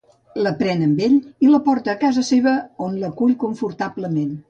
La pren amb ell i la porta a casa seva on l’acull confortablement.